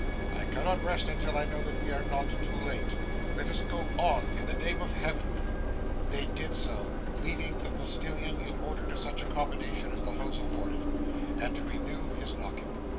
I cannot rest until I know that we are not too late. Let us go on, in the name of Heaven!' They did so, leaving the postilion to order such accommodation as the house afforded, and to renew his knocking.